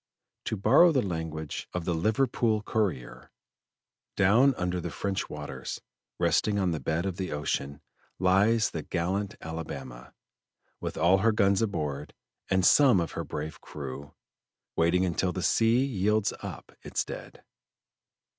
To borrow the language of the Liverpool Courrier: "Down under the French waters, resting on the bed of the ocean, lies the gallant Alabama, with all her guns aboard, and some of her brave crew, waiting until the sea yields up its dead."